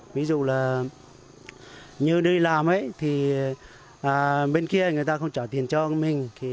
ví dụ là như đi làm thì bên kia người ta không trả tiền cho mình